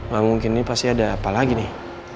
nah mungkin ini pasti ada apa lagi nih